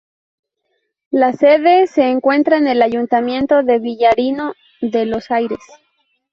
La sede se encuentra en el ayuntamiento de Villarino de los Aires.